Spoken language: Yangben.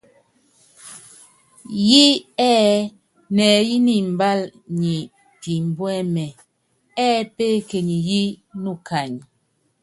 Yí ɛ́ɛ nɛɛyɛ́ ni imbal nyɛ pimbuɛ́mɛ, ɛ́ɛ peekenyi yí nukany.